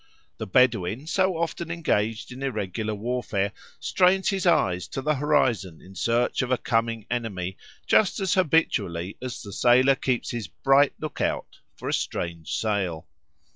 The Bedouin, so often engaged in irregular warfare, strains his eyes to the horizon in search of a coming enemy just as habitually as the sailor keeps his "bright lookout" for a strange sail.